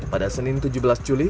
pada senin tujuh belas juli